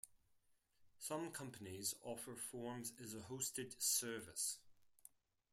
Some companies offer forms as a hosted service.